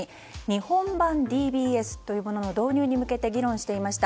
日本版ＤＢＳの導入に向けて議論していました。